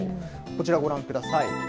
こちらご覧ください。